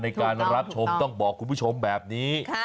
ในการรับชมต้องบอกคุณผู้ชมแบบนี้